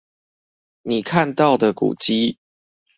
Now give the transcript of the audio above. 你看到的古蹟